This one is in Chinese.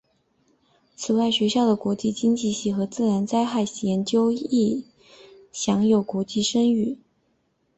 此外学校的国际经济系和自然灾害研究所亦享有国际声誉。